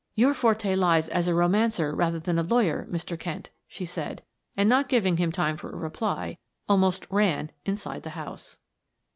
"Your forte lies as a romancer rather than a lawyer, Mr. Kent," she said, and not giving him time for a reply, almost ran inside the house.